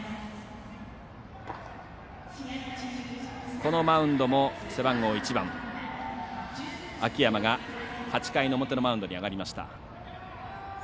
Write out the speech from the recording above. このマウンドも背番号１番秋山が８回の表のマウンドに上がりました。